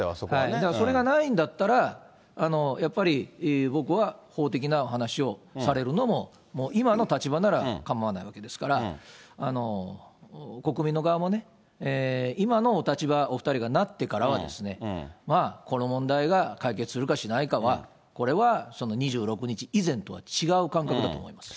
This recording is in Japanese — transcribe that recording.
だからそれがないんだったら、やっぱり僕は法的な話をされるのも、今の立場なら構わないわけですから、国民の側もね、今のお立場、お２人がなってからは、まあ、この問題が解決するかしないかは、これは、２６日以前とは違う感覚だと思います。